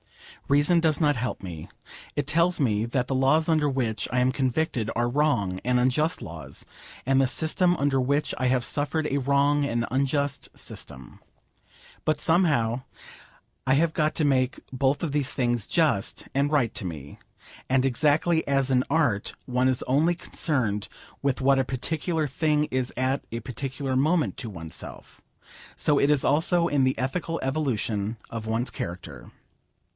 Reason does not help me. It tells me that the laws under which I am convicted are wrong and unjust laws, and the system under which I have suffered a wrong and unjust system. But, somehow, I have got to make both of these things just and right to me. And exactly as in Art one is only concerned with what a particular thing is at a particular moment to oneself, so it is also in the ethical evolution of one's character.